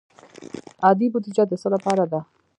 عادي بودجه د څه لپاره ده؟